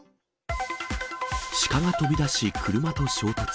鹿が飛び出し車と衝突。